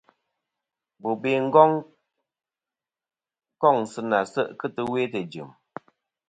Bobe Ngong kôŋ sɨ nà se' kɨ tɨwe tɨjɨ̀m.